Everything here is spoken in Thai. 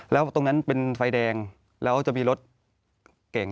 แล้วตรงนั้นเป็นไฟแดงแล้วจะมีรถเก่ง